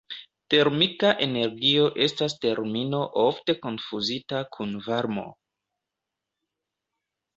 Termika energio estas termino ofte konfuzita kun varmo.